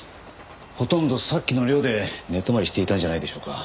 ほとんどさっきの寮で寝泊まりしていたんじゃないでしょうか。